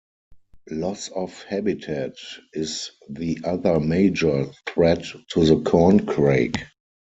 Loss of habitat is the other major threat to the corn crake.